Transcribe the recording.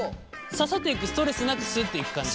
刺さっていくストレスなくスッといく感じ？